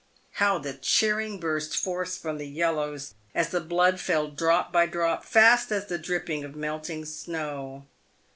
How the cheering burst forth from the yellows as the blood fell drop by drop, fast as the dripping of melting snow